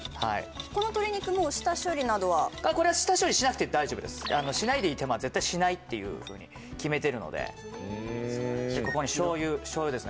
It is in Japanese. このとり肉も下処理などはこれ下処理しなくて大丈夫ですしないでいい手間は絶対しないっていうふうに決めてるのでここにしょうゆしょうゆですね